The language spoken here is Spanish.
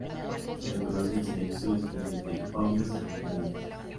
Se reconocen seis subespecies de "Ovis canadensis".